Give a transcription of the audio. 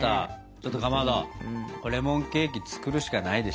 ちょっとかまどレモンケーキ作るしかないでしょう。